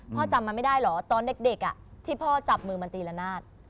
จำมันไม่ได้เหรอตอนเด็กที่พ่อจับมือมันตีละนาด